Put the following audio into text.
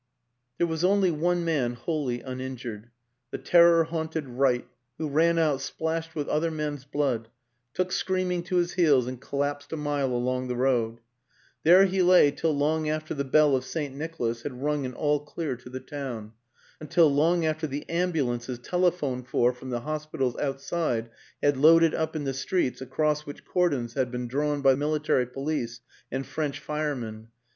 There was only one man wholly uninjured the terror haunted Wright, who ran out, splashed with other men's blood, took screaming to his heels and collapsed a mile along the road. There he lay till long after the bell of St. Nicholas had rung an " All Clear " to the town until long after the ambulances telephoned for from the hos pitals outside had loaded up in the streets across which cordons had been drawn by military police and French firemen.